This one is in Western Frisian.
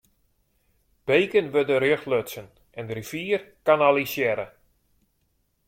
Beken wurde rjocht lutsen en de rivier kanalisearre.